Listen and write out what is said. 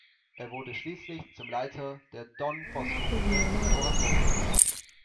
Er wurde schließlich zum Leiter der Don-Bosco-Gruppe des Oratoriums.